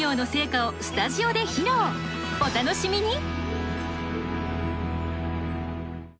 お楽しみに！